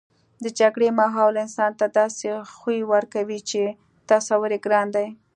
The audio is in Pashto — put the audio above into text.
د جګړې ماحول انسان ته داسې خوی ورکوي چې تصور یې ګران دی